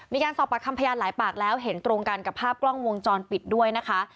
มีการสอบปากคำพยานหลายปากแล้วเห็นตรงกันกับภาพกล้องวงจรปิดด้วยนะคะ